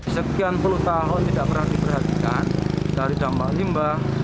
sekian puluh tahun tidak pernah diperhatikan dari dampak limbah